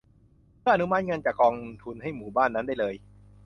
เพื่ออนุมัติเงินจากกองทุนให้หมู่บ้านนั้นได้เลย